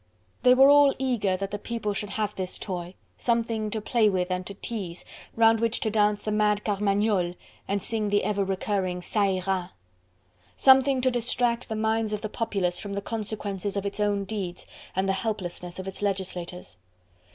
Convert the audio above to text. They were all eager that the People should have this toy; something to play with and to tease, round which to dance the mad Carmagnole and sing the ever recurring "Ca ira." Something to distract the minds of the populace from the consequences of its own deeds, and the helplessness of its legislators.